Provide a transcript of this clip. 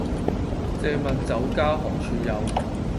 借問酒家何處有